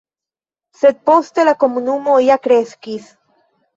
Sed poste la komunumo ja kreskis.